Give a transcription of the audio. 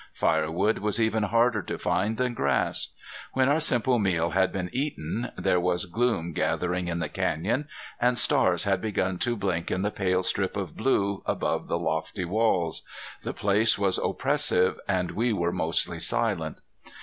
Firewood was even harder to find than grass. When our simple meal had been eaten there was gloom gathering in the canyon and stars had begun to blink in the pale strip of blue above the lofty walls. The place was oppressive and we were mostly silent.